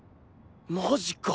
マジか！